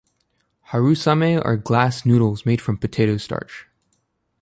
Harusame are glass noodles made from potato starch.